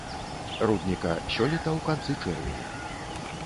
Рудніка сёлета ў канцы чэрвеня.